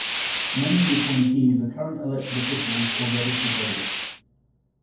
None of the appointees are current elected officials or registered lobbyists.